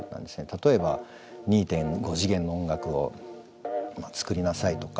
例えば２．５次元の音楽を作りなさいとか。